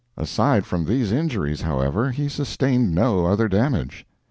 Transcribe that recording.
Aside from these injuries, however, he sustained no other damage.